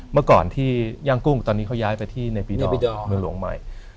เมื่อก่อนที่ย่างกุ้งตอนนี้เขาย้ายไปที่ในปีนี้เมืองหลวงใหม่